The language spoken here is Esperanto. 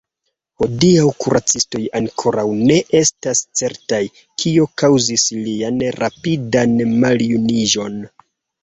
Hodiaŭ kuracistoj ankoraŭ ne estas certaj, kio kaŭzis lian rapidan maljuniĝon.